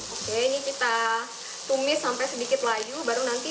oke ini kita tumis sampai sedikit layu baru nanti